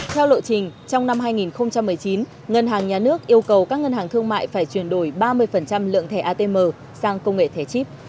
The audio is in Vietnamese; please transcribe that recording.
theo lộ trình trong năm hai nghìn một mươi chín ngân hàng nhà nước yêu cầu các ngân hàng thương mại phải chuyển đổi ba mươi lượng thẻ atm sang công nghệ thẻ chip